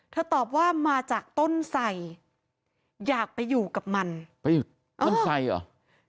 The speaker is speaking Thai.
ตอบว่ามาจากต้นไสอยากไปอยู่กับมันไปต้นไสเหรอ